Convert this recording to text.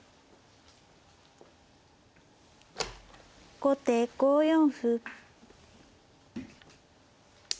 後手５四歩。